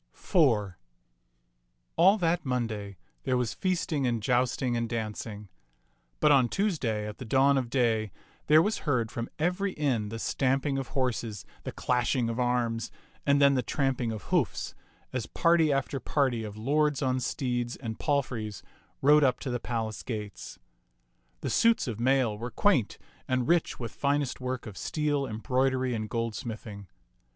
IV All that Monday there was feasting and jousting and dancing ; but on Tuesday at the dawn of day there was heard from every inn the stamping of horses, the clashing of arms, and then the tramping of hoofs, as party after party of lords on steeds and palfreys rode up to the palace gates. The suits of mail were quaint and rich with finest work of steel, embroidery, and goldsmithing.